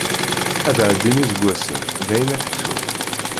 Ad ɛeddin iseggasen, dayen ad k-ttun.